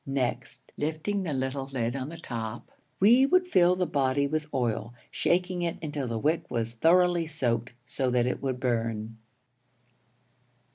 Next, lifting the little lid on the top, we would fill the body with oil, shaking it until the wick was thoroughly soaked so that it would burn.